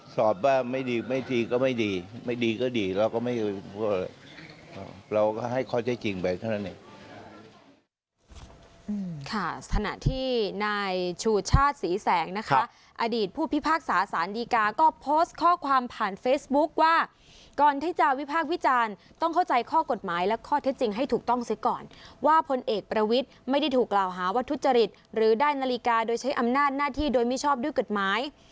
สถานที่ในชูชาติศรีแสงนะคะอดีตผู้พิพากษาศาลดีกาก็โพสต์ข้อความผ่านเฟซบุ๊กว่าก่อนที่จะวิพากษ์วิจารณ์ต้องเข้าใจข้อกฎหมายและข้อเท็จจริงให้ถูกต้องเสียก่อนว่าผลเอกประวิทธิ์ไม่ได้ถูกกล่าวหาวัตถุจริตหรือได้นาฬิกาโดยใช้อำนาจหน้าที่โดยมิชอบด้วยกฎหมาย